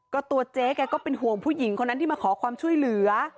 ก็ตัวเจ๊แกก็เป็นห่วงผู้หญิงคนนั้นที่มาขอความช่วยเหลือ